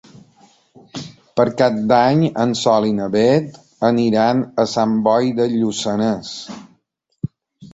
Per Cap d'Any en Sol i na Beth aniran a Sant Boi de Lluçanès.